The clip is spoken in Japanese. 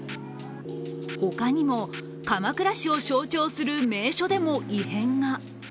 ほかにも、鎌倉市を象徴する名所でも異変が。